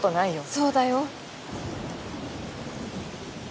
そうだよ。